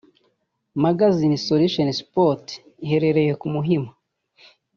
Magasin Solution Sports iherereye ku Muhima